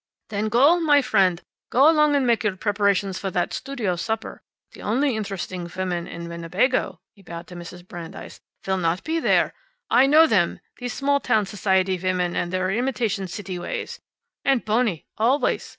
"Then go, my friend. Go along and make your preparations for that studio supper. The only interesting woman in Winnebago " he bowed to Mrs. Brandeis "will not be there. I know them, these small town society women, with their imitation city ways. And bony! Always!